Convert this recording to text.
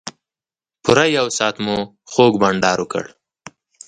پوره یو ساعت مو خوږ بنډار وکړ.